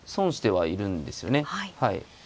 はい。